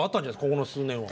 この数年は。